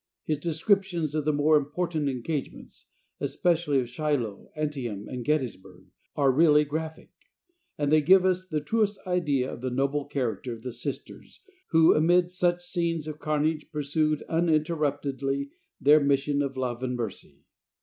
His descriptions of the more important engagements, especially of Shiloh, Antietam and Gettysburg, are really graphic, and they give us the truest idea of the noble character of the Sisters, who amid such scenes of carnage pursued uninterruptedly their mission of love and mercy.